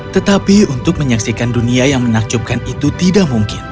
tetapi untuk menyaksikan dunia yang menakjubkan itu tidak mungkin